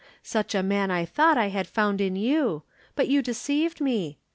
Such a man I thought I had found in you but you deceived me.